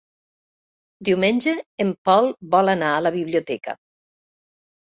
Diumenge en Pol vol anar a la biblioteca.